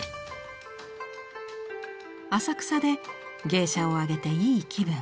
浅草で芸者をあげていい気分。